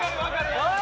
おい！